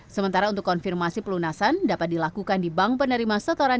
sementara untuk konfirmasi pelunasan dapat dilakukan di bank penerima setoran